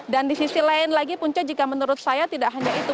dan di sisi lain lagi punca jika menurut saya tidak hanya itu